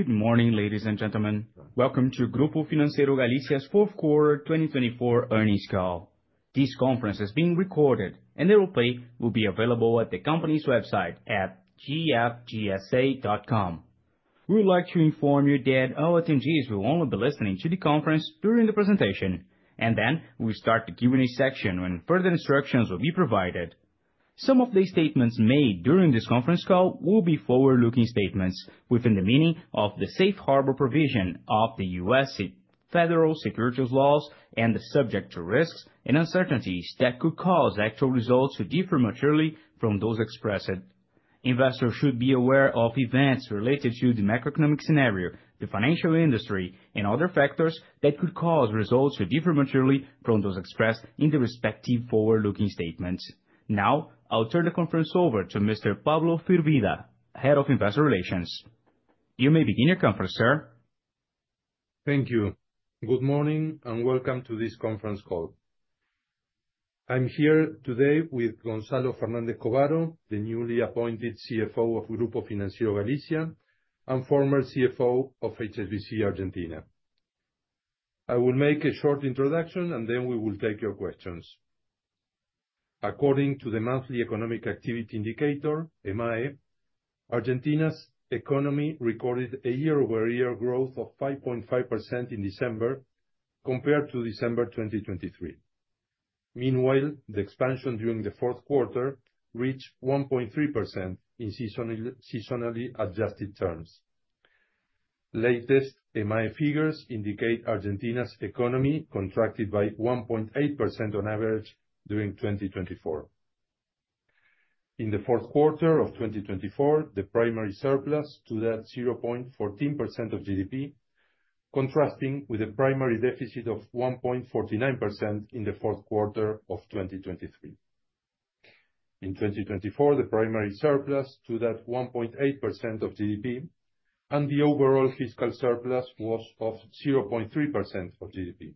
Good morning, ladies and gentlemen. Welcome to Grupo Financiero Galicia's Fourth Quarter 2024 Earnings Call. This conference is being recorded, and the replay will be available at the company's website at gfgsa.com. We would like to inform you that all attendees will only be listening to the conference during the presentation, and then we will start the Q&A section when further instructions will be provided. Some of the statements made during this conference call will be forward-looking statements within the meaning of the safe harbor provision of the U.S. Federal Securities Laws and are subject to risks and uncertainties that could cause actual results to differ materially from those expressed. Investors should be aware of events related to the macroeconomic scenario, the financial industry, and other factors that could cause results to differ materially from those expressed in the respective forward-looking statements. Now, I'll turn the conference over to Mr. Pablo Firvida, Head of Investor Relations. You may begin your conference, sir. Thank you. Good morning and welcome to this conference call. I'm here today with Gonzalo Fernández Covaro, the newly appointed CFO of Grupo Financiero Galicia and former CFO of HSBC Argentina. I will make a short introduction, and then we will take your questions. According to the Monthly Economic Activity Indicator, EMAE, Argentina's economy recorded a year-over-year growth of 5.5% in December compared to December 2023. Meanwhile, the expansion during the fourth quarter reached 1.3% in seasonally adjusted terms. Latest EMAE figures indicate Argentina's economy contracted by 1.8% on average during 2024. In the fourth quarter of 2024, the primary surplus stood at 0.14% of GDP, contrasting with a primary deficit of 1.49% in the fourth quarter of 2023. In 2024, the primary surplus stood at 1.8% of GDP, and the overall fiscal surplus was of 0.3% of GDP.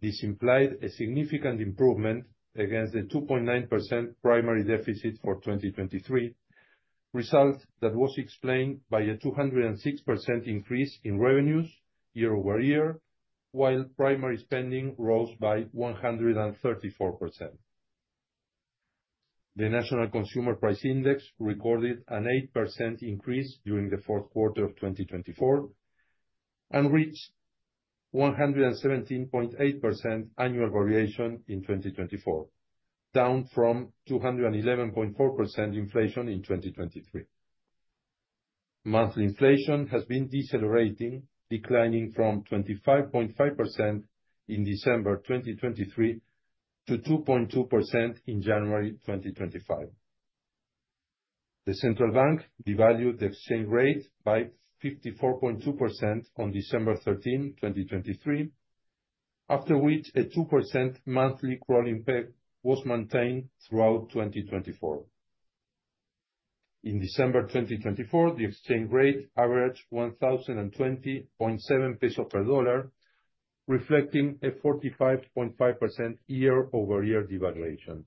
This implied a significant improvement against the 2.9% primary deficit for 2023, result that was explained by a 206% increase in revenues year-over-year, while primary spending rose by 134%. The National Consumer Price Index recorded an 8% increase during the fourth quarter of 2024 and reached 117.8% annual variation in 2024, down from 211.4% inflation in 2023. Monthly inflation has been decelerating, declining from 25.5% in December 2023 to 2.2% in January 2025. The Central Bank devalued the exchange rate by 54.2% on December 13, 2023, after which a 2% monthly crawling peg was maintained throughout 2024. In December 2024, the exchange rate averaged 1,020.7 pesos per dollar, reflecting a 45.5% year-over-year devaluation.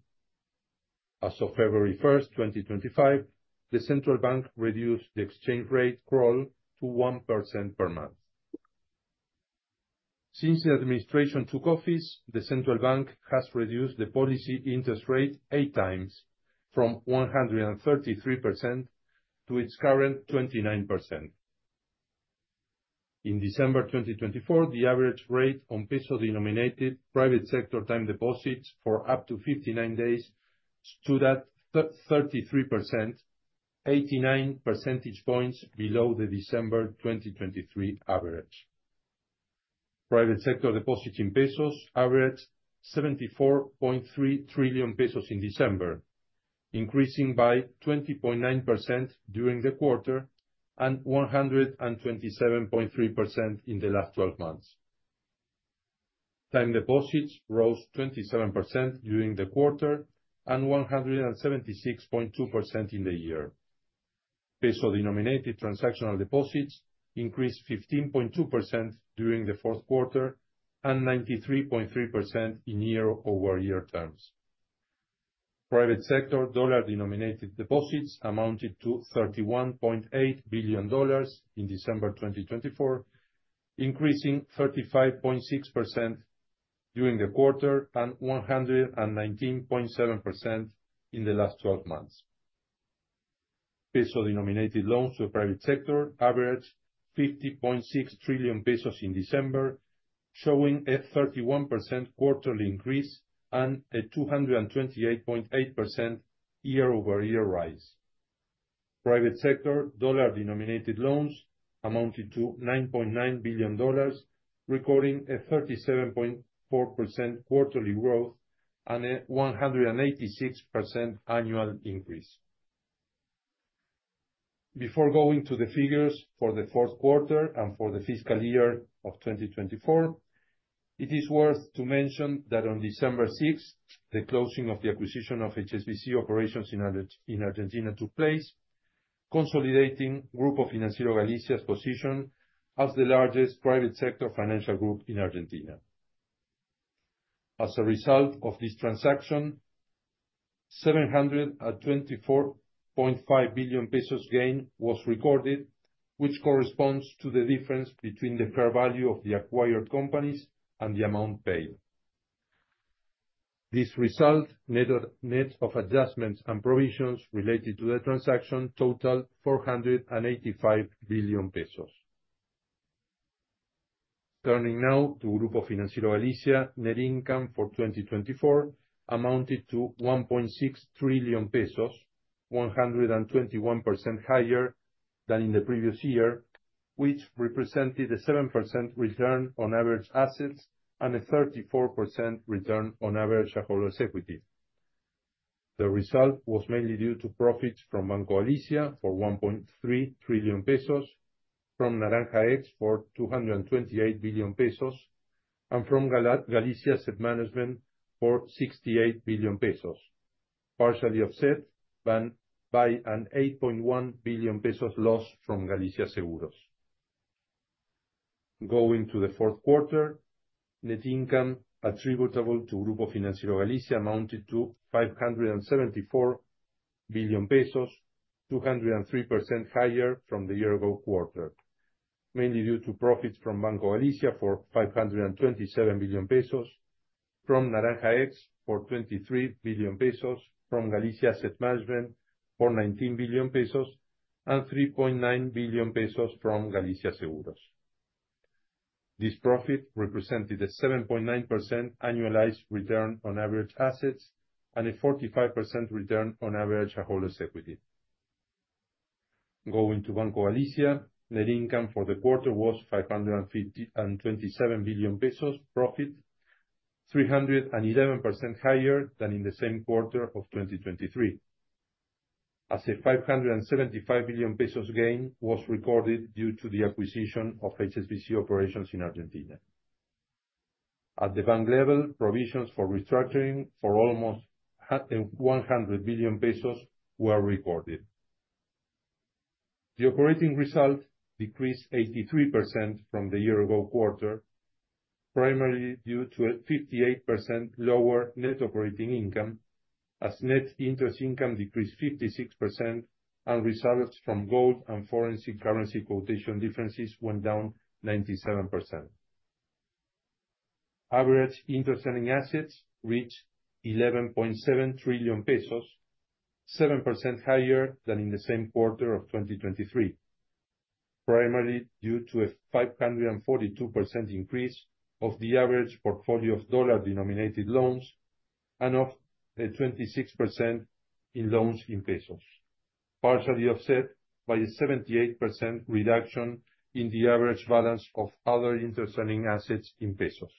As of February 1, 2025, the Central Bank reduced the exchange rate crawl to 1% per month. Since the administration took office, the Central Bank has reduced the policy interest rate eight times from 133% to its current 29%. In December 2024, the average rate on peso-denominated private sector time deposits for up to 59 days stood at 33%, 89 percentage points below the December 2023 average. Private sector deposits in pesos averaged 74.3 trillion pesos in December, increasing by 20.9% during the quarter and 127.3% in the last 12 months. Time deposits rose 27% during the quarter and 176.2% in the year. Peso-denominated transactional deposits increased 15.2% during the fourth quarter and 93.3% in year-over-year terms. Private sector dollar-denominated deposits amounted to $31.8 billion in December 2024, increasing 35.6% during the quarter and 119.7% in the last 12 months. Peso-denominated loans to the private sector averaged 50.6 trillion pesos in December, showing a 31% quarterly increase and a 228.8% year-over-year rise. Private sector dollar-denominated loans amounted to $9.9 billion, recording a 37.4% quarterly growth and a 186% annual increase. Before going to the figures for the fourth quarter and for the fiscal year of 2024, it is worth to mention that on December 6, the closing of the acquisition of HSBC Argentina took place, consolidating Grupo Financiero Galicia's position as the largest private sector financial group in Argentina. As a result of this transaction, 724.5 billion pesos gain was recorded, which corresponds to the difference between the fair value of the acquired companies and the amount paid. This result net of adjustments and provisions related to the transaction totaled 485 billion pesos. Turning now to Grupo Financiero Galicia, net income for 2024 amounted to 1.6 trillion pesos, 121% higher than in the previous year, which represented a 7% return on average assets and a 34% return on average holders' equity. The result was mainly due to profits from Banco Galicia for 1.3 trillion pesos, from Naranja X 228 billion pesos, and from Galicia Asset Management for 68 billion pesos, partially offset by an 8.1 billion pesos loss from Galicia Seguros. Going to the fourth quarter, net income attributable to Grupo Financiero Galicia amounted to 574 billion pesos, 203% higher from the year-ago quarter, mainly due to profits from Banco Galicia for 527 billion pesos, from Naranja X 23 billion pesos, from Galicia Asset Management for 19 billion pesos, and 3.9 billion pesos from Galicia Seguros. This profit represented a 7.9% annualized return on average assets and a 45% return on average holders' equity. Going to Banco Galicia, net income for the quarter was 527 billion pesos profit, 311% higher than in the same quarter of 2023, as a 575 billion pesos gain was recorded due to the acquisition of HSBC Operations in Argentina. At the bank level, provisions for restructuring for almost 100 billion pesos were recorded. The operating result decreased 83% from the year-ago quarter, primarily due to a 58% lower net operating income, as net interest income decreased 56% and results from gold and foreign currency quotation differences went down 97%. Average interest earning assets reached 11.7 trillion pesos, 7% higher than in the same quarter of 2023, primarily due to a 542% increase of the average portfolio of dollar-denominated loans and of 26% in loans in pesos, partially offset by a 78% reduction in the average balance of other interest earning assets in pesos.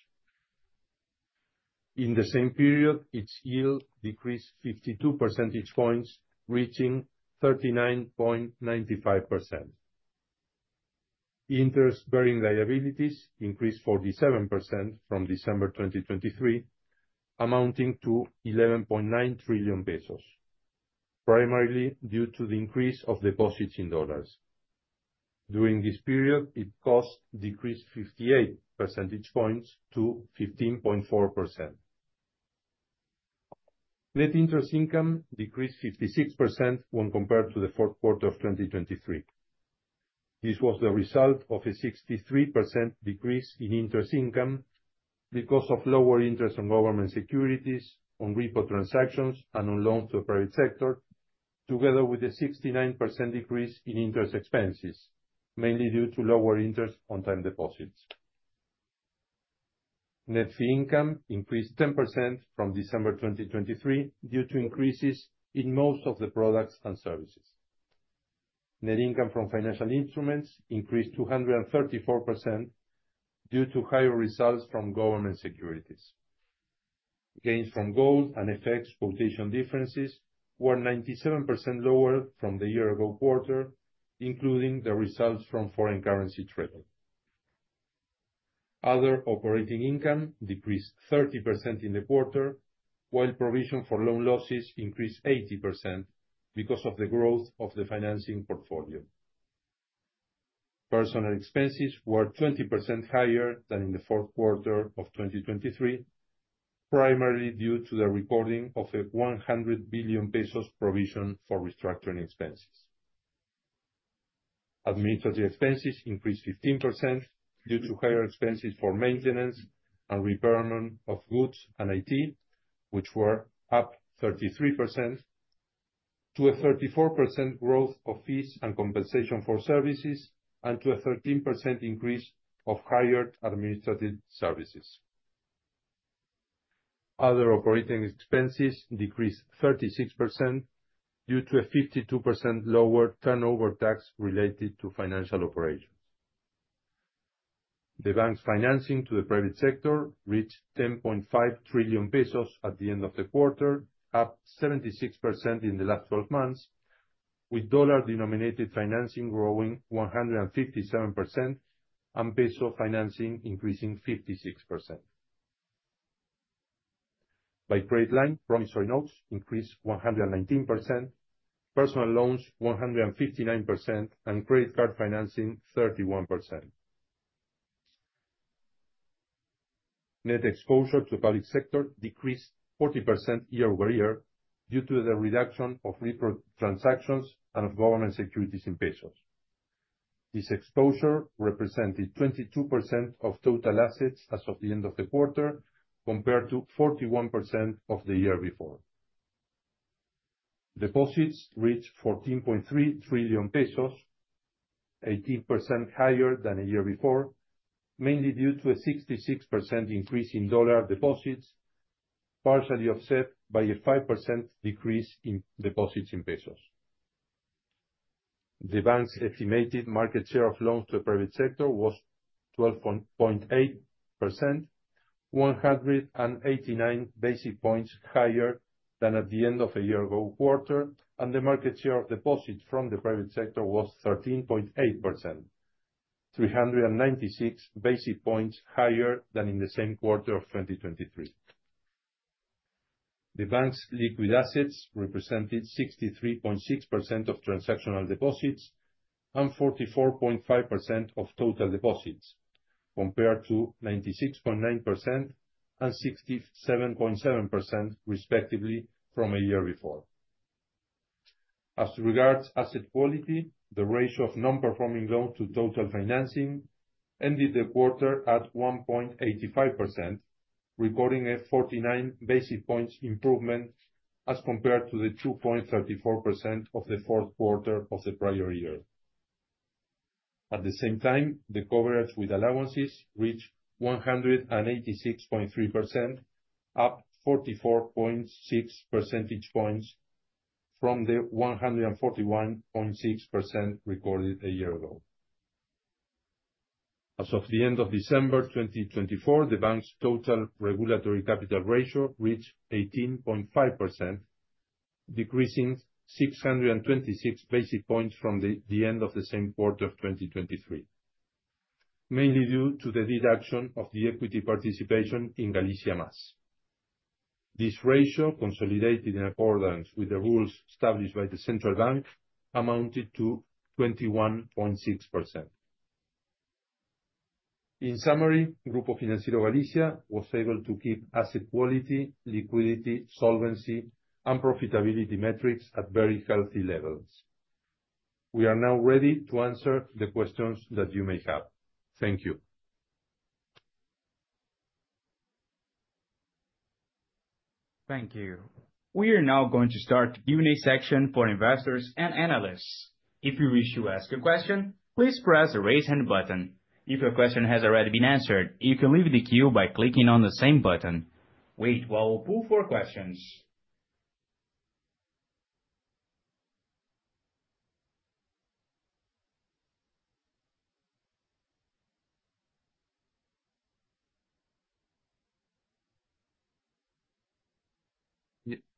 In the same period, its yield decreased 52 percentage points, reaching 39.95%. Interest-bearing liabilities increased 47% from December 2023, amounting to 11.9 trillion pesos, primarily due to the increase of deposits in dollars. During this period, it cost decreased 58 percentage points to 15.4%. Net interest income decreased 56% when compared to the fourth quarter of 2023. This was the result of a 63% decrease in interest income because of lower interest on government securities, on repo transactions, and on loans to the private sector, together with a 69% decrease in interest expenses, mainly due to lower interest on time deposits. Net fee income increased 10% from December 2023 due to increases in most of the products and services. Net income from financial instruments increased 234% due to higher results from government securities. Gains from gold and FX quotation differences were 97% lower from the year-ago quarter, including the results from foreign currency trading. Other operating income decreased 30% in the quarter, while provision for loan losses increased 80% because of the growth of the financing portfolio. Personal expenses were 20% higher than in the fourth quarter of 2023, primarily due to the recording of a 100 billion pesos provision for restructuring expenses. Administrative expenses increased 15% due to higher expenses for maintenance and repairs of goods and IT, which were up 33%, to a 34% growth of fees and compensation for services, and to a 13% increase of hired administrative services. Other operating expenses decreased 36% due to a 52% lower turnover tax related to financial operations. The bank's financing to the private sector reached 10.5 trillion pesos at the end of the quarter, up 76% in the last 12 months, with dollar-denominated financing growing 157% and peso financing increasing 56%. By trade line, promissory notes increased 119%, personal loans 159%, and credit card financing 31%. Net exposure to the public sector decreased 40% year-over-year due to the reduction of repo transactions and of government securities in pesos. This exposure represented 22% of total assets as of the end of the quarter, compared to 41% of the year before. Deposits reached 14.3 trillion pesos, 18% higher than a year before, mainly due to a 66% increase in dollar deposits, partially offset by a 5% decrease in deposits in pesos. The bank's estimated market share of loans to the private sector was 12.8%, 189 basis points higher than at the end of a year-ago quarter, and the market share of deposits from the private sector was 13.8%, 396 basis points higher than in the same quarter of 2023. The bank's liquid assets represented 63.6% of transactional deposits and 44.5% of total deposits, compared to 96.9% and 67.7% respectively from a year before. As regards asset quality, the ratio of non-performing loans to total financing ended the quarter at 1.85%, recording a 49 basis points improvement as compared to the 2.34% of the fourth quarter of the prior year. At the same time, the coverage with allowances reached 186.3%, up 44.6 percentage points from the 141.6% recorded a year ago. As of the end of December 2024, the bank's total regulatory capital ratio reached 18.5%, decreasing 626 basis points from the end of the same quarter of 2023, mainly due to the deduction of the equity participation in Galicia Más. This ratio, consolidated in accordance with the rules established by the Central Bank, amounted to 21.6%. In summary, Grupo Financiero Galicia was able to keep asset quality, liquidity, solvency, and profitability metrics at very healthy levels. We are now ready to answer the questions that you may have. Thank you. Thank you. We are now going to start the Q&A section for investors and analysts. If you wish to ask a question, please press the raise hand button. If your question has already been answered, you can leave the queue by clicking on the same button. Wait while we pull for questions.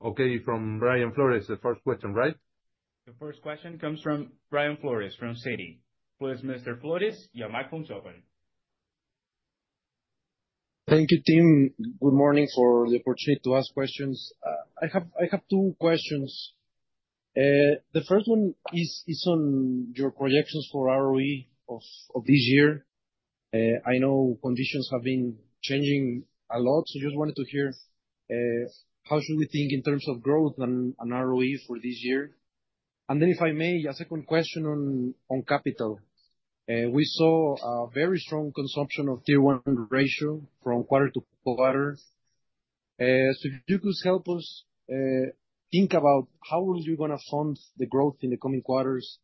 Okay, from Brian Flores, the first question, right? The first question comes from Brian Flores from Citi. Flores, Mr. Flores, your microphone is open. Thank you team. Good morning for the opportunity to ask questions. I have two questions. The first one is on your projections for ROE of this year. I know conditions have been changing a lot, so I just wanted to hear how should we think in terms of growth and ROE for this year. And then, if I may, a second question on capital. We saw a very strong consumption of Tier 1 ratio from quarter to quarter. So if you could help us think about how you're going to fund the growth in the coming quarters,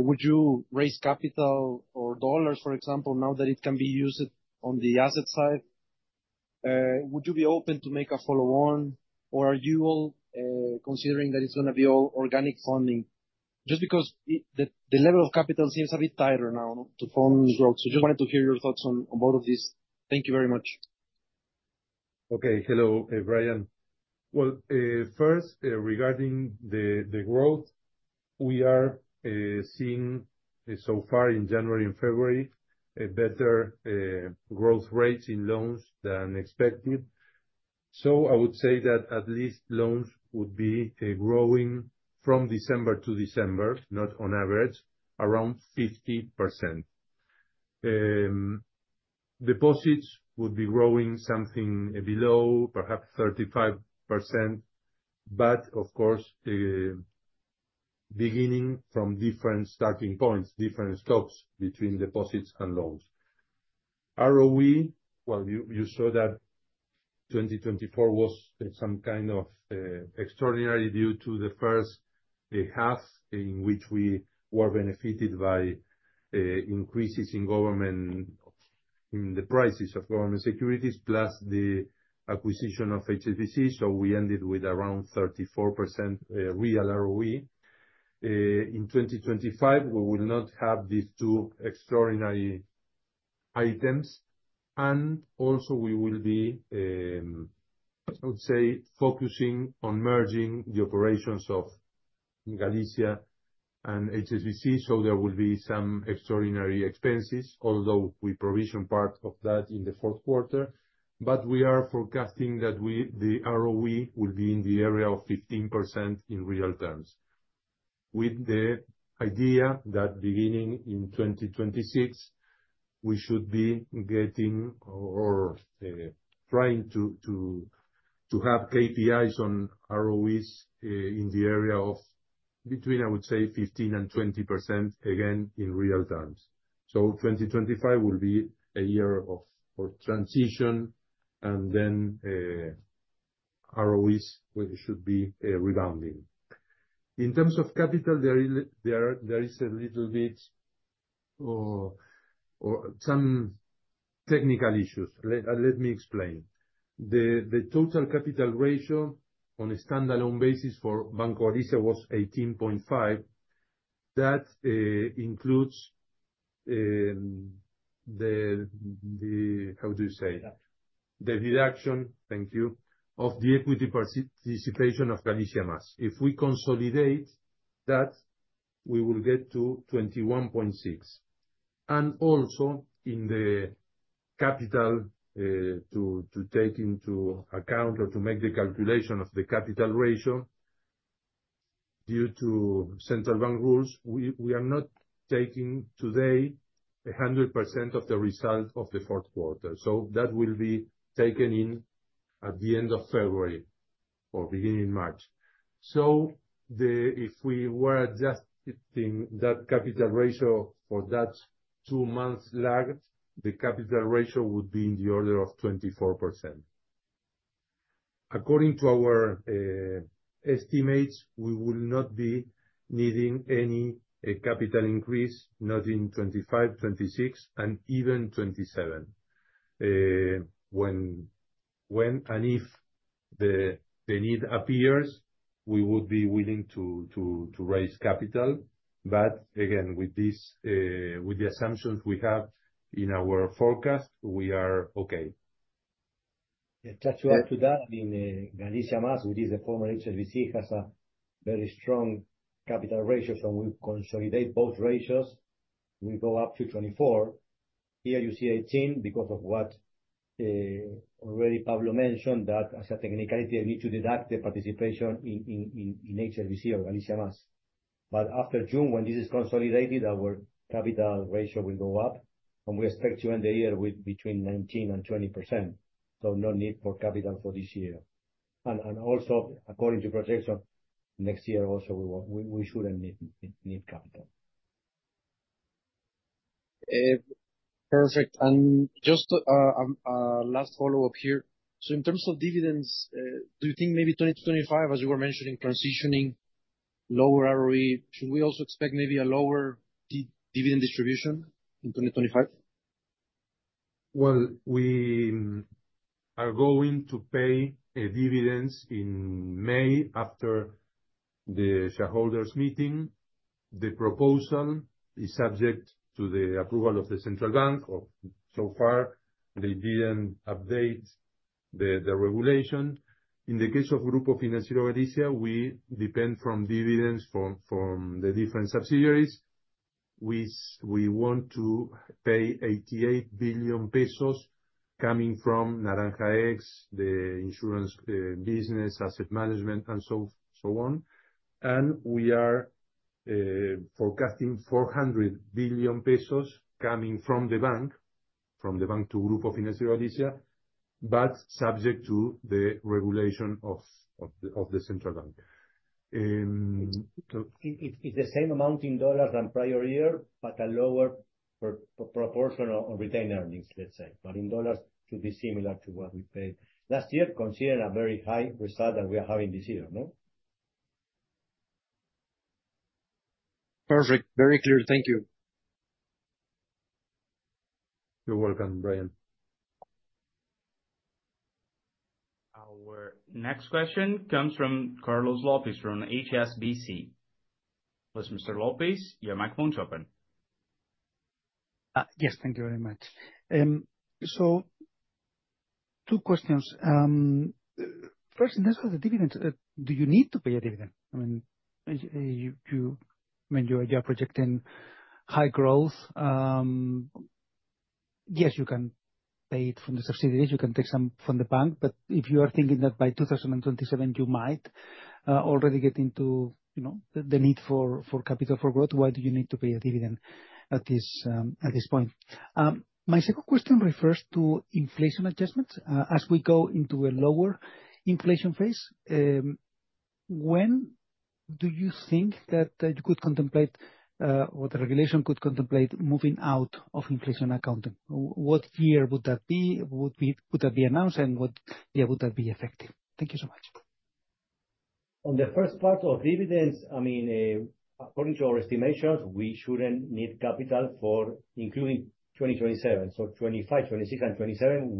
would you raise capital or dollars, for example, now that it can be used on the asset side? Would you be open to make a follow-on, or are you all considering that it's going to be all organic funding? Just because the level of capital seems a bit tighter now to fund growth. So I just wanted to hear your thoughts on both of these. Thank you very much. Okay, hello, Brian. Well, first, regarding the growth, we are seeing so far in January and February better growth rates in loans than expected. So I would say that at least loans would be growing from December to December, not on average, around 50%. Deposits would be growing something below, perhaps 35%, but of course, beginning from different starting points, different stocks between deposits and loans. ROE, well, you saw that 2024 was some kind of extraordinary due to the first half in which we were benefited by increases in government, in the prices of government securities, plus the acquisition of HSBC. So we ended with around 34% real ROE. In 2025, we will not have these two extraordinary items. And also, we will be, I would say, focusing on merging the operations of Galicia and HSBC, so there will be some extraordinary expenses, although we provisioned part of that in the fourth quarter. But we are forecasting that the ROE will be in the area of 15% in real terms, with the idea that beginning in 2026, we should be getting or trying to have KPIs on ROEs in the area of between, I would say, 15% and 20%, again, in real terms. So 2025 will be a year of transition, and then ROEs should be rebounding. In terms of capital, there is a little bit or some technical issues. Let me explain. The total capital ratio on a standalone basis for Banco Galicia was 18.5. That includes the, how do you say, the deduction, thank you, of the equity participation of Galicia Más. If we consolidate that, we will get to 21.6. Also, in the capital to take into account or to make the calculation of the capital ratio due to Central Bank rules, we are not taking today 100% of the result of the fourth quarter. That will be taken in at the end of February or beginning March. If we were adjusting that capital ratio for that two-month lag, the capital ratio would be in the order of 24%. According to our estimates, we will not be needing any capital increase, not in 2025, 2026, and even 2027. When and if the need appears, we would be willing to raise capital. Again, with the assumptions we have in our forecast, we are okay. Yeah, just to add to that, I mean, Galicia Más, which is the former HSBC, has a very strong capital ratio. We consolidate both ratios. We go up to 24%. Here you see 18% because of what already Pablo mentioned, that as a technicality, they need to deduct the participation in HSBC or Galicia Más. But after June, when this is consolidated, our capital ratio will go up, and we expect to end the year with between 19% and 20%. So no need for capital for this year. And also, according to projection, next year also, we shouldn't need capital. Perfect. And just a last follow-up here. So in terms of dividends, do you think maybe 2025, as you were mentioning, transitioning lower ROE, should we also expect maybe a lower dividend distribution in 2025? Well, we are going to pay dividends in May after the shareholders' meeting. The proposal is subject to the approval of the Central Bank. So far, they didn't update the regulation. In the case of Grupo Financiero Galicia, we depend on dividends from the different subsidiaries. We want to pay 88 billion pesos coming from Naranja X, the insurance business, asset management, and so on. And we are forecasting 400 billion pesos coming from the bank, from the bank to Grupo Financiero Galicia, but subject to the regulation of the Central Bank. It's the same amount in dollars and prior year, but a lower proportional retained earnings, let's say. But in dollars, it should be similar to what we paid last year, considering a very high result that we are having this year, no? Perfect. Very clear. Thank you. You're welcome, Brian. Our next question comes from Carlos Lopez from HSBC. Mr. Lopez, your microphone is open. Yes, thank you very much. So two questions. First, in terms of the dividends, do you need to pay a dividend? I mean, you are projecting high growth. Yes, you can pay it from the subsidiaries. You can take some from the bank. But if you are thinking that by 2027, you might already get into the need for capital for growth, why do you need to pay a dividend at this point? My second question refers to inflation adjustments. As we go into a lower inflation phase, when do you think that you could contemplate, or the regulation could contemplate moving out of inflation accounting? What year would that be? Would that be announced? And what year would that be effective? Thank you so much. On the first part of dividends, I mean, according to our estimations, we shouldn't need capital for including 2027. So 2025, 2026, and 2027,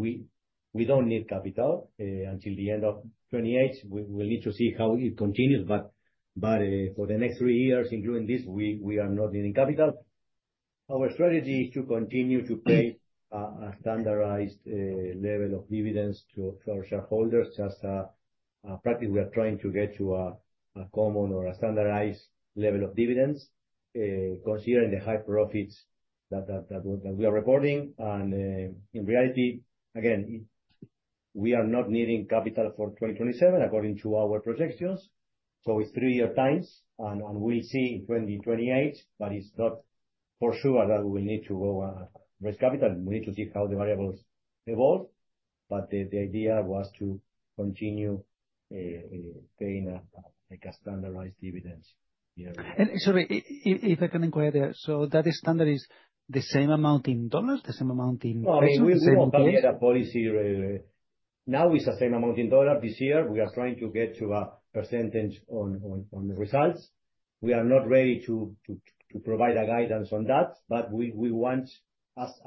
we don't need capital until the end of 2028. We'll need to see how it continues. But for the next three years, including this, we are not needing capital. Our strategy is to continue to pay a standardized level of dividends to our shareholders. Just a practice, we are trying to get to a common or a standardized level of dividends, considering the high profits that we are reporting. And in reality, again, we are not needing capital for 2027, according to our projections. So it's three-year times, and we'll see in 2028, but it's not for sure that we will need to raise capital. We need to see how the variables evolve. But the idea was to continue paying a standardized dividends. And sorry, if I can inquire there, so that standard is the same amount in dollars, the same amount in dollars? No, we will not get a policy. Now it's the same amount in dollars. This year, we are trying to get to a percentage on the results. We are not ready to provide a guidance on that, but we want, as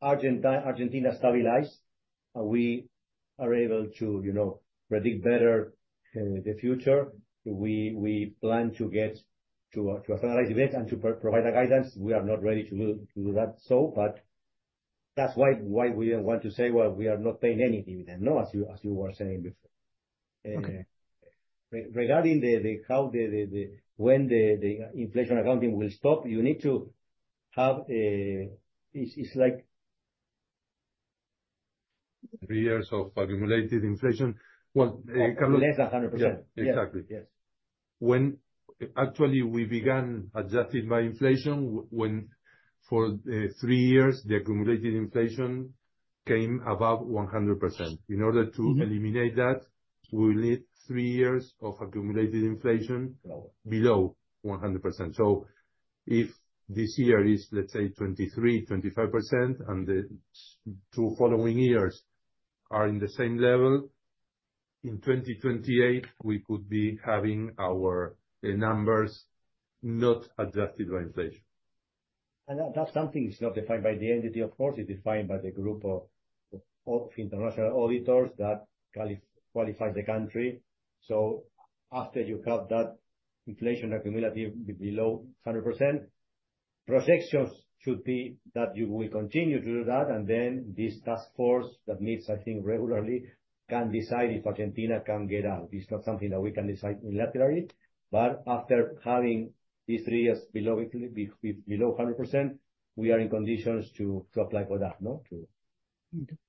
Argentina stabilized, we are able to predict better the future. We plan to get to a standardized dividend and to provide a guidance. We are not ready to do that. But that's why we didn't want to say, well, we are not paying any dividend, as you were saying before. Regarding when the inflation accounting will stop, you need to have it's like. Three years of accumulated inflation. Well, Carlos. Less than 100%. Yeah, exactly. Yes. When actually we began adjusting for inflation, for three years, the accumulated inflation came above 100%. In order to eliminate that, we will need three years of accumulated inflation below 100%. So if this year is, let's say, 2023, 25%, and the two following years are in the same level, in 2028, we could be having our numbers not adjusted by inflation. And that's something that's not defined by the entity, of course. It's defined by the group of international auditors that qualifies the country. So after you have that inflation accumulative below 100%, projections should be that you will continue to do that. And then this task force that meets, I think, regularly can decide if Argentina can get out. It's not something that we can decide unilaterally. But after having these three years below 100%, we are in conditions to apply for that.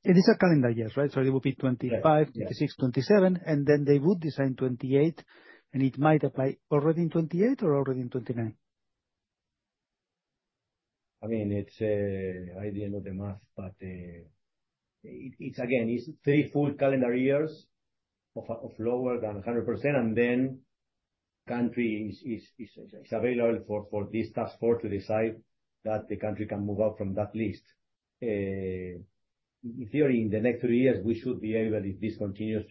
It is a calendar year, right? So it will be 2025, 2026, 2027, and then they would decide 2028, and it might apply already in 2028 or already in 2029? I mean, it's the idea of the math, but it's, again, it's three full calendar years of lower than 100%, and then the country is available for this task force to decide that the country can move out from that list. In theory, in the next three years, we should be able, if this continues,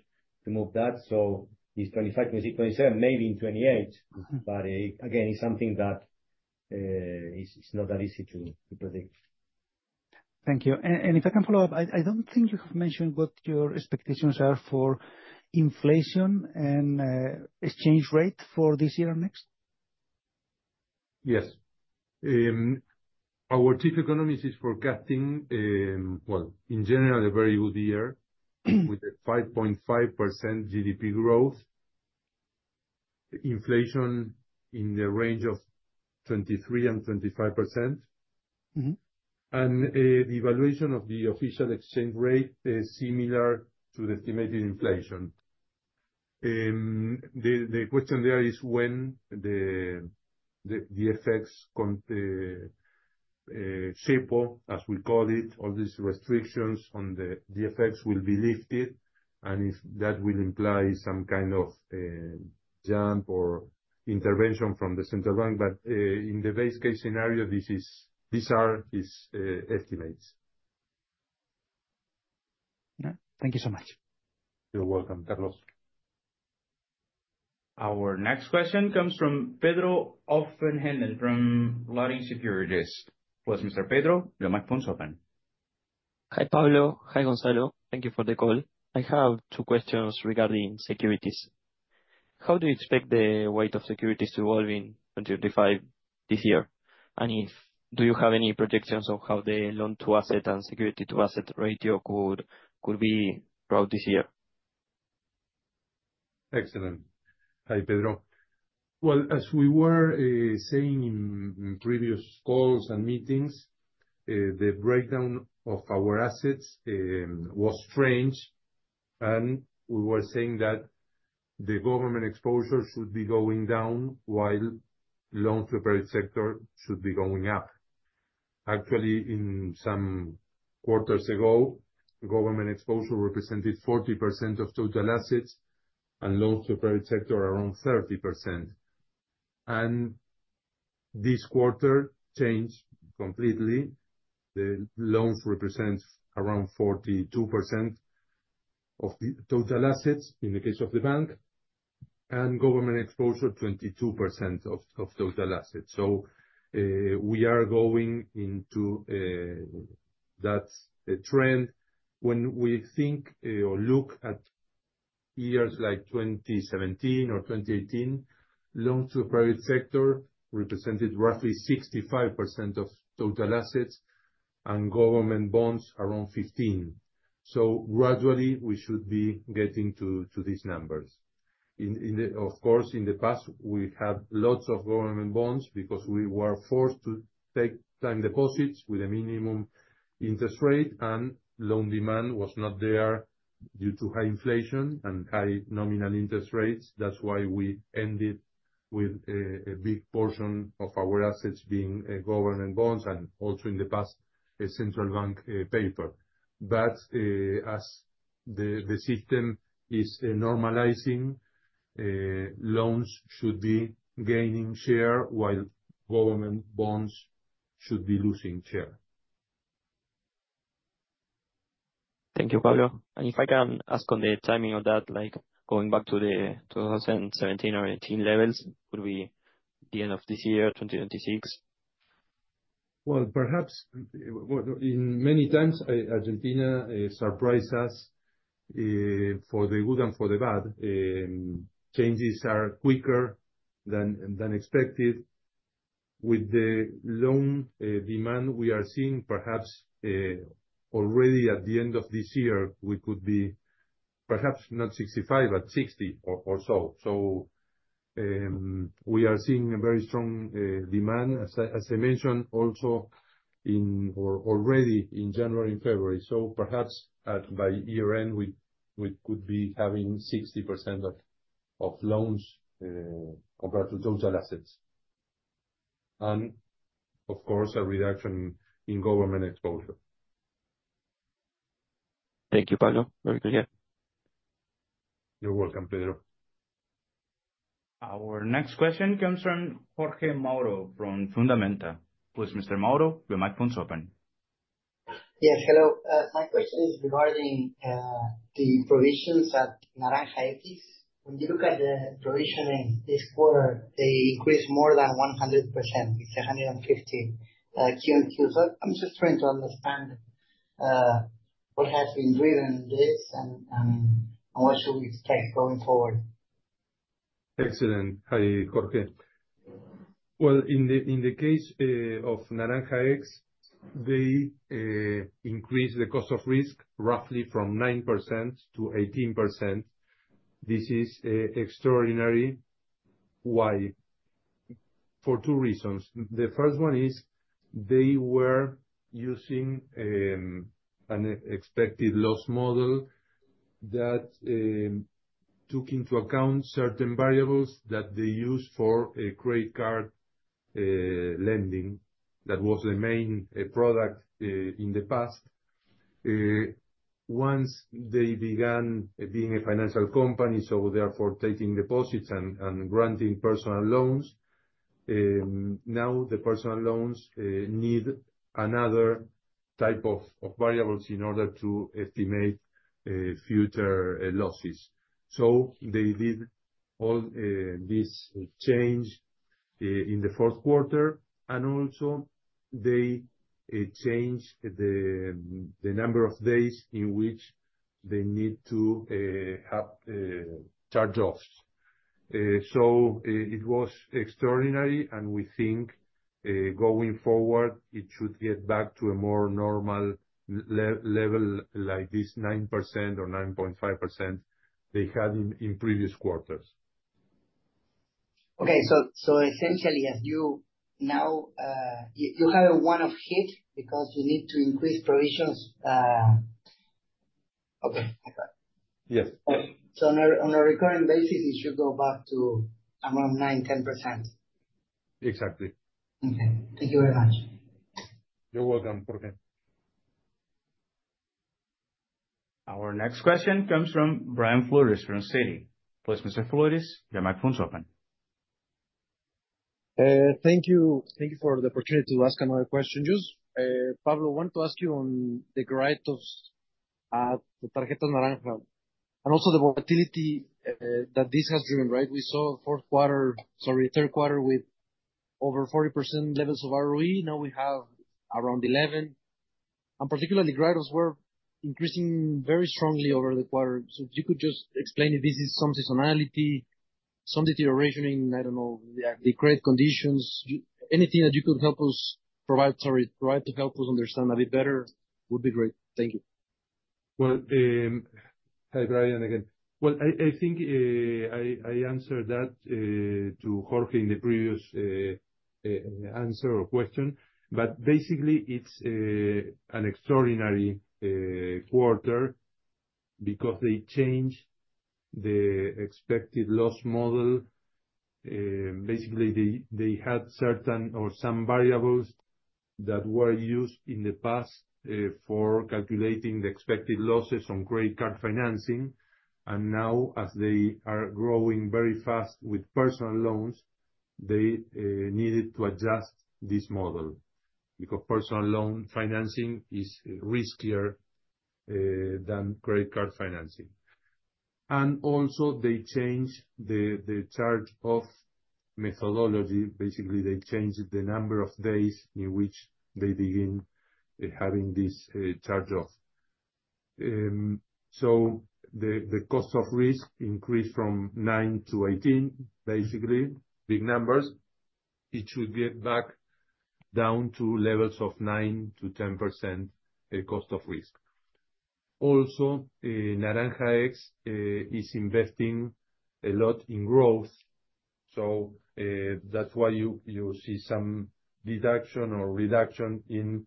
to move that. So it's 2025, 2026, 2027, maybe in 2028. But again, it's something that it's not that easy to predict. Thank you. And if I can follow up, I don't think you have mentioned what your expectations are for inflation and exchange rate for this year and next. Yes. Our Chief Economist is forecasting, well, in general, a very good year with a 5.5% GDP growth, inflation in the range of 23%-25%, and the devaluation of the official exchange rate is similar to the estimated inflation. The question there is when the FX, Cepo, as we call it, all these restrictions on the FX will be lifted, and if that will imply some kind of jump or intervention from the Central Bank. But in the base case scenario, this are his estimates. Thank you so much. You're welcome, Carlos. Our next question comes from Pedro Offenhenden from Latin Securities. Please, Mr. Pedro, your microphone is open. Hi, Pablo. Hi, Gonzalo. Thank you for the call. I have two questions regarding securities. How do you expect the weight of securities to evolve in 2025 this year? And do you have any projections on how the loan-to-asset and security-to-asset ratio could be throughout this year? Excellent. Hi, Pedro. As we were saying in previous calls and meetings, the breakdown of our assets was strange, and we were saying that the government exposure should be going down while loans to the private sector should be going up. Actually, in some quarters ago, government exposure represented 40% of total assets and loans to the private sector around 30%, and this quarter changed completely. The loans represent around 42% of total assets in the case of the bank, and government exposure 22% of total assets, so we are going into that trend. When we think or look at years like 2017 or 2018, loans to the private sector represented roughly 65% of total assets and government bonds around 15%, so gradually, we should be getting to these numbers. Of course, in the past, we had lots of government bonds because we were forced to take time deposits with a minimum interest rate, and loan demand was not there due to high inflation and high nominal interest rates. That's why we ended with a big portion of our assets being government bonds and also in the past a Central Bank paper. But as the system is normalizing, loans should be gaining share while government bonds should be losing share. Thank you, Pablo. And if I can ask on the timing of that, going back to the 2017 or 2018 levels, would it be the end of this year, 2026? Well, perhaps in many times, Argentina surprised us for the good and for the bad. Changes are quicker than expected. With the loan demand we are seeing, perhaps already at the end of this year, we could be perhaps not 65, but 60 or so. So we are seeing a very strong demand, as I mentioned, also already in January and February. So perhaps by year-end, we could be having 60% of loans compared to total assets. And of course, a reduction in government exposure. Thank you, Pablo. Very clear. You're welcome, Pedro. Our next question comes from Jorge Mauro from Fundamenta. Please, Mr. Mauro, your microphone is open. Yes, hello. My question is regarding the provisions at Naranja X. When you look at the provisioning this quarter, they increased more than 100%. It's 150% Q&Q. So I'm just trying to understand what has driven this and what should we expect going forward. Excellent. Hi, Jorge. In the case of Naranja X, they increased the cost of risk roughly from 9% to 18%. This is extraordinary. Why? For two reasons. The first one is they were using an expected loss model that took into account certain variables that they use for credit card lending. That was the main product in the past. Once they began being a financial company, so therefore taking deposits and granting personal loans, now the personal loans need another type of variables in order to estimate future losses. So they did all this change in the fourth quarter, and also they changed the number of days in which they need to have charge-offs. So it was extraordinary, and we think going forward, it should get back to a more normal level like this 9% or 9.5% they had in previous quarters. Okay. So essentially, as you know, you have a one-off hit because you need to increase provisions. Okay. Yes. So on a recurring basis, it should go back to around 9-10%. Exactly. Okay. Thank you very much. You're welcome, Jorge. Our next question comes from Brian Flores from Citi. Please, Mr. Flores, your microphone is open. Thank you. Thank you for the opportunity to ask another question. Just, Pablo, I wanted to ask you on the write-offs at the Tarjeta of Naranja. And also the volatility that this has driven, right? We saw fourth quarter, sorry, third quarter with over 40% levels of ROE. Now we have around 11. And particularly, write-offs were increasing very strongly over the quarter. So if you could just explain if this is some seasonality, some deterioration in, I don't know, the credit conditions, anything that you could help us provide, sorry, provide to help us understand a bit better would be great. Thank you. Well, hi, Brian again. Well, I think I answered that to Jorge in the previous answer or question. But basically, it's an extraordinary quarter because they changed the expected loss model. Basically, they had certain or some variables that were used in the past for calculating the expected losses on credit card financing. And now, as they are growing very fast with personal loans, they needed to adjust this model because personal loan financing is riskier than credit card financing. And also, they changed the charge-off methodology. Basically, they changed the number of days in which they begin having this charge-off. So the cost of risk increased from 9% to 18%, basically, big numbers. It should get back down to levels of 9%-10% cost of risk. Also, Naranja X is investing a lot in growth. So that's why you see some deduction or reduction in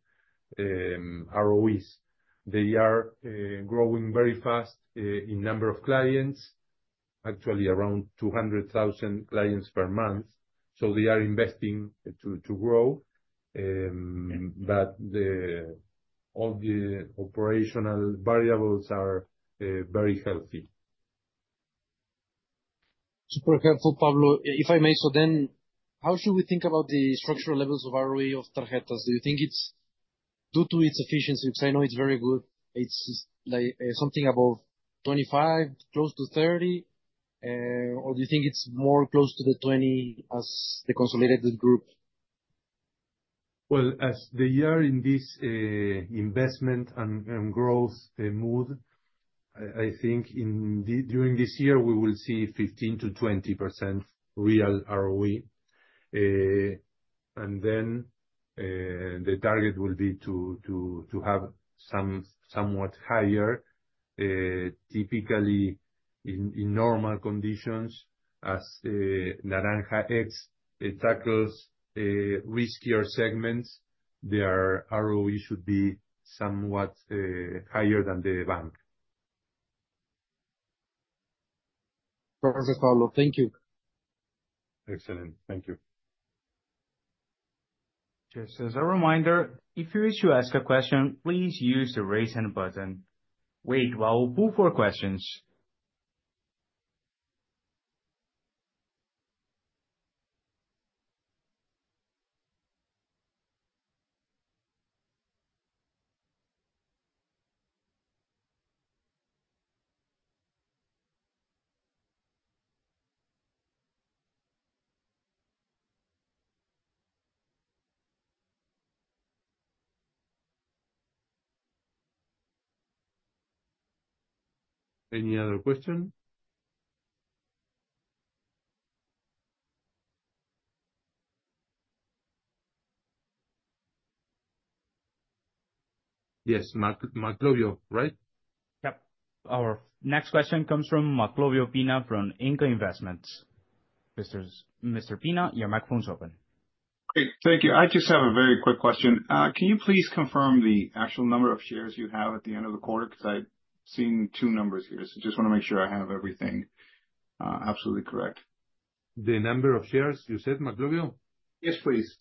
ROEs. They are growing very fast in number of clients, actually around 200,000 clients per month. So they are investing to grow. But all the operational variables are very healthy. Super helpful, Pablo. If I may, so then how should we think about the structural levels of ROE of Tarjetas? Do you think it's due to its efficiency? Because I know it's very good. It's something above 25%, close to 30%? Or do you think it's more close to the 20% as the consolidated group? As they are in this investment and growth mood, I think during this year, we will see 15%-20% real ROE. And then the target will be to have somewhat higher. Typically, in normal conditions, as NaranjaX tackles riskier segments, their ROE should be somewhat higher than the bank. Perfect, Pablo. Thank you. Excellent. Thank you. Just as a reminder, if you wish to ask a question, please use the raise hand button. Wait while we poll for questions. Any other question? Yes, Maclovio, right? Yep. Our next question comes from Maclovio Piña from Inca Investments. Mr. Piña, your microphone is open. Great. Thank you. I just have a very quick question. Can you please confirm the actual number of shares you have at the end of the quarter? Because I've seen two numbers here. So I just want to make sure I have everything absolutely correct. The number of shares, you said, Maclovio? Yes, please.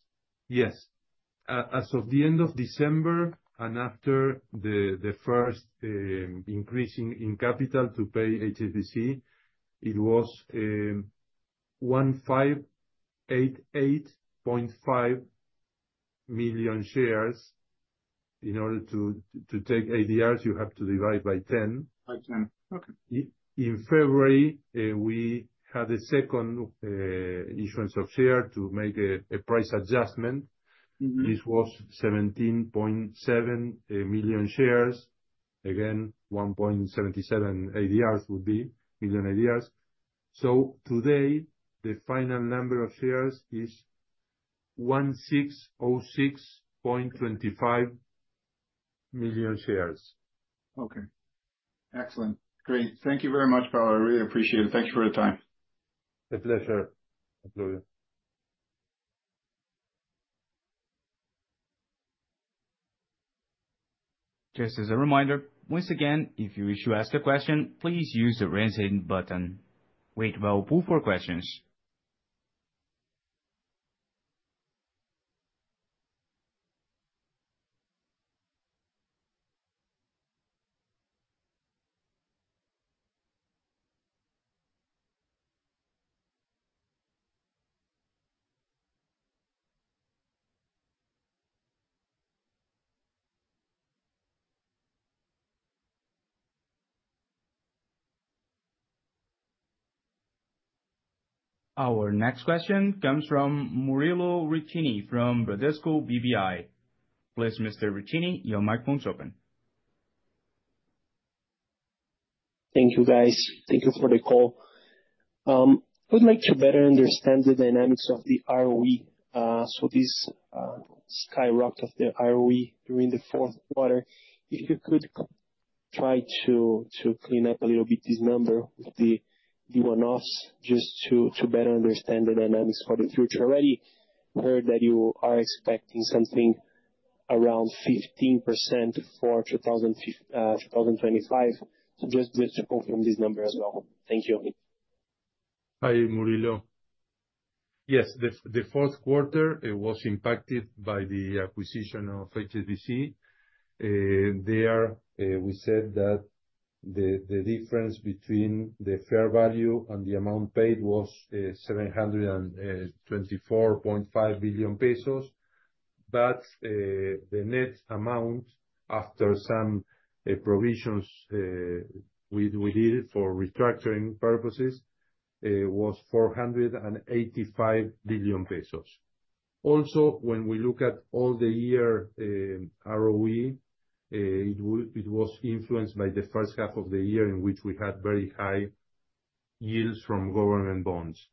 Yes. As of the end of December and after the first increase in capital to pay HSBC, it was 1,588.5 million shares. In order to take ADRs, you have to divide by 10. By 10. Okay. In February, we had a second issuance of shares to make a price adjustment. This was 17.7 million shares. Again, 1.77 ADRs would be million ADRs. So today, the final number of shares is 1,606.25 million shares. Okay. Excellent. Great. Thank you very much, Pablo. I really appreciate it. Thank you for your time. A pleasure, Maclovio. Just as a reminder, once again, if you wish to ask a question, please use the raise hand button. Wait while we poll for questions. Our next question comes from Murilo Riccini from Bradesco BBI. Please, Mr. Riccini, your microphone is open. Thank you, guys. Thank you for the call. I would like to better understand the dynamics of the ROE. So this skyrocket of the ROE during the fourth quarter, if you could try to clean up a little bit this number with the one-offs just to better understand the dynamics for the future. I already heard that you are expecting something around 15% for 2025. So just to confirm this number as well. Thank you. Hi, Murilo. Yes, the fourth quarter was impacted by the acquisition of HSBC. There, we said that the difference between the fair value and the amount paid was 724.5 billion pesos. But the net amount after some provisions we did for restructuring purposes was 485 billion pesos. Also, when we look at all the year ROE, it was influenced by the first half of the year in which we had very high yields from government bonds.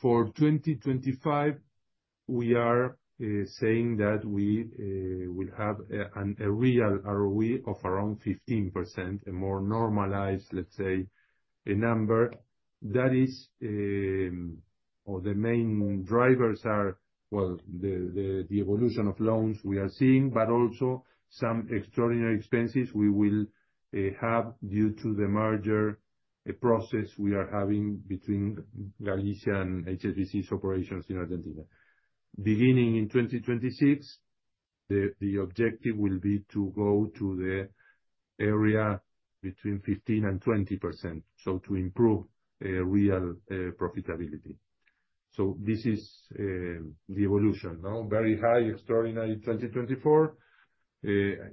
For 2025, we are saying that we will have a real ROE of around 15%, a more normalized, let's say, a number. That is, the main drivers are, well, the evolution of loans we are seeing, but also some extraordinary expenses we will have due to the merger process we are having between Galicia and HSBC's operations in Argentina. Beginning in 2026, the objective will be to go to the area between 15% and 20%, so to improve real profitability. So this is the evolution. Very high, extraordinary 2024. Another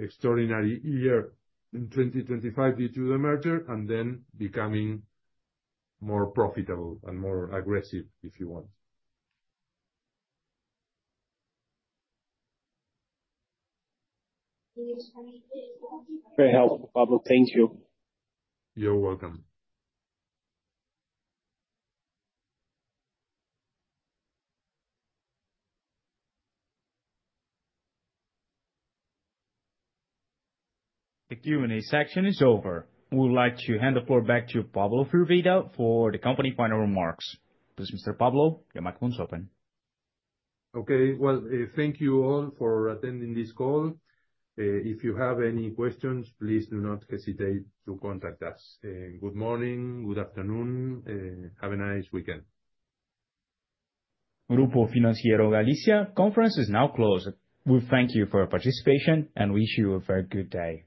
extraordinary year in 2025 due to the merger, and then becoming more profitable and more aggressive, if you want. Very helpful, Pablo. Thank you. You're welcome. The Q&A section is over. We would like to hand the floor back to Pablo Firvida for the company's final remarks. Please, Mr. Pablo, your microphone is open. Okay. Thank you all for attending this call. If you have any questions, please do not hesitate to contact us. Good morning. Good afternoon. Have a nice weekend. Grupo Financiero Galicia Conference is now closed. We thank you for your participation and wish you a very good day.